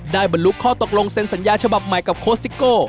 บรรลุข้อตกลงเซ็นสัญญาฉบับใหม่กับโค้ชซิโก้